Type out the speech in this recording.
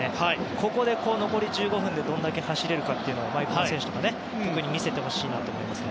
ここで残り１５分でどれだけ走れるか毎熊選手には特に見せてほしいと思います。